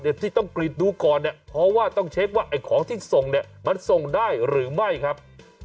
ที่ต้องกรีดดูก่อนเนี่ยเพราะว่าต้องเช็คว่าไอ้ของที่ส่งเนี่ยมันส่งได้หรือไม่ครับ